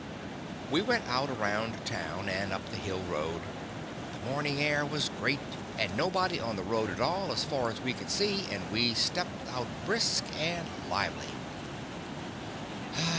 We went out around town, and up the hill road. The morning air was great, and nobody on the road at all, The Confessions of a Daddy so far as we could see, and we stepped out brisk and lively.